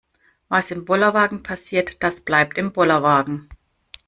Was im Bollerwagen passiert, das bleibt im Bollerwagen.